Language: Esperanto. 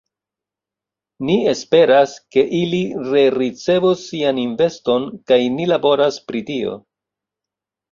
Ni esperas, ke ili rericevos sian investon kaj ni laboras pri tio.